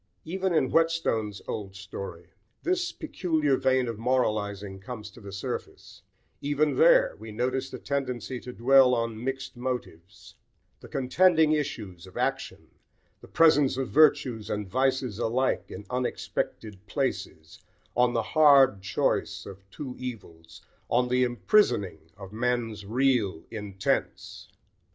Even in Whetstone's old story this peculiar vein of moralising comes to the surface: even there, we notice the tendency to dwell on mixed motives, the contending issues of action, the presence of virtues and vices alike in unexpected places, on "the hard choice of two evils," on the "imprisoning" of men's "real intents."